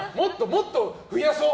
もっと増やそう！